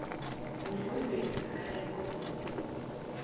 Ужо ёсць такая неабходнасць.